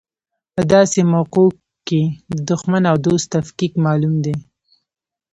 په داسې مواقعو کې د دوښمن او دوست تفکیک معلوم دی.